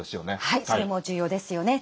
はいそれも重要ですよね。